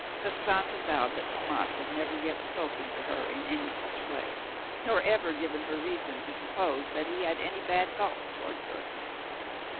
Costanza vowed that Tomas had never yet spoken to her in any such way, nor ever given her reason to suppose that he had any bad thoughts towards her.